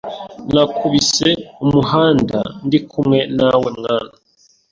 Nakubise umuhanda ndikumwe nawe mwana